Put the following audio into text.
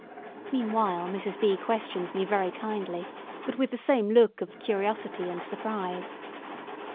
Meanwhile Mrs. B. questions me very kindly, but with the same look of curiosity and surprise.